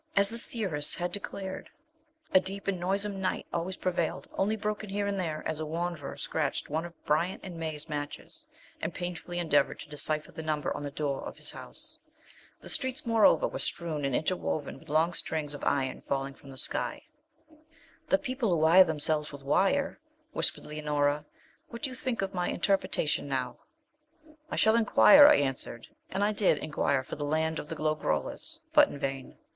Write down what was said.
As the seeress had declared, a deep and noisome night always prevailed, only broken here and there as a wanderer scratched one of Bryant & May's matches and painfully endeavoured to decipher the number on the door of his house. The streets, moreover, were strewn and interwoven with long strings of iron fallen from the sky. 'The people who wire themselves with wires,' whispered Leonora; 'what do you think of my interpretation now?' 'I shall inquire,' I answered, and I did inquire for the land of the Lo grollas, but in vain.